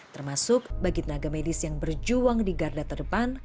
termasuk bagi tenaga medis yang berjuang di garda terdepan